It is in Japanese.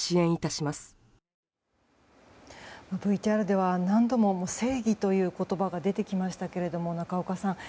ＶＴＲでは何度も正義という言葉が出てきましたけれども仲岡さん